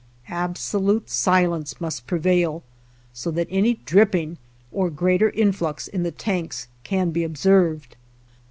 Absolute silence must prevail so that any dripping or greater influx in the tanks can be observed.